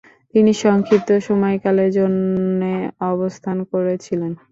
তিনি সংক্ষিপ্ত সময়কালের জন্যে অবস্থান করেছিলেন।